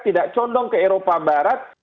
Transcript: tidak condong ke eropa barat